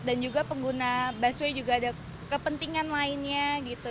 dan juga pengguna busway juga ada kepentingan lainnya gitu